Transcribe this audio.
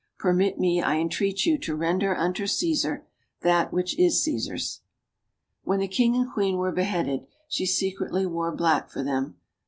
Permit me, I entreat you, to render unto Caesar that which is Caesar's. When the king and queen were beheaded, she secret ly wore black for them.